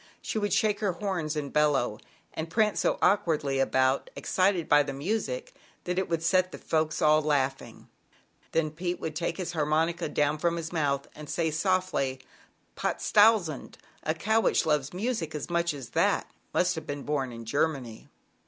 She would shake her horns and bellow, and prance so awkwardly about, excited by the music, that it would set the folks all laughing. Then Pete would take his harmonica down from his mouth and say softly: " Potstauzend! A cow which 56 ZAUBERLINDA, THE WISE WITCH. loves music as much as that must have been born in Germany."